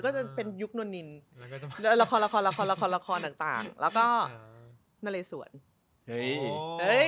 ก็จะเป็นยุคนนิลละครต่างแล้วก็นาเลสวรษ